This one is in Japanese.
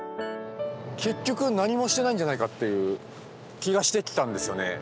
結局何もしてないんじゃないかっていう気がしてきたんですよね。